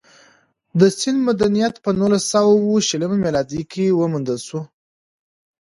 د سند مدنیت په نولس سوه شل میلادي کال کې وموندل شو